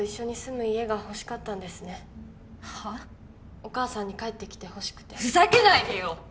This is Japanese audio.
お母さんに帰ってきてほしくてふざけないでよ！